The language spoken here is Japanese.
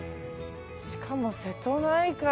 しかも瀬戸内海。